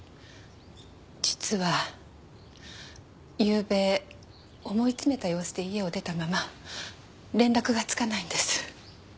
実はゆうべ思い詰めた様子で家を出たまま連絡がつかないんです。